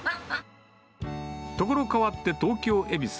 所変わって、東京・恵比寿。